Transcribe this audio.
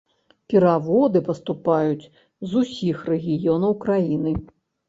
Пераводы паступаюць з усіх рэгіёнаў краіны.